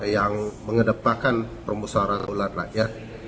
yang mengedepankan permusaraan ular rakyat